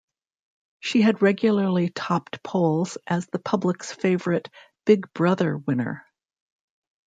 She had regularly topped polls as the public's favourite Big Brother winner.